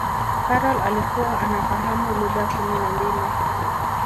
karol alikuwa anafahamu lugha kumi na mbili